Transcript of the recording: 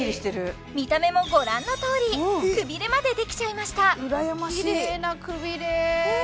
見た目もご覧のとおりクビレまでできちゃいました羨ましいええ！